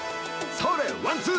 それワンツー！